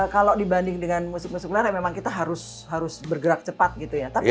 kalau dibanding dengan musik musik lear ya memang kita harus bergerak cepat gitu ya